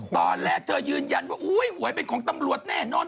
ตอนแรกเธอยืนยันว่าหวยเป็นของตำรวจแน่นอน